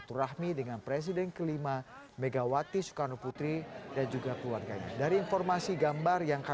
terima kasih untuk doanya